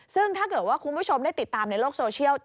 ซึ่งถ้าเกิดว่าคุณผู้ชมได้ติดตามในโลกโซเชียล